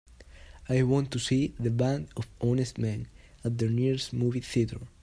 I want to see The Band of Honest Men at the nearest movie theatre.